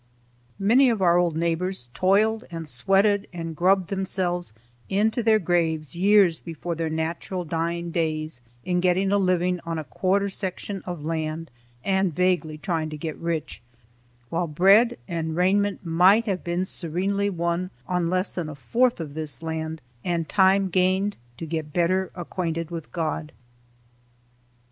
Many of our old neighbors toiled and sweated and grubbed themselves into their graves years before their natural dying days, in getting a living on a quarter section of land and vaguely trying to get rich, while bread and raiment might have been serenely won on less than a fourth of this land, and time gained to get better acquainted with God.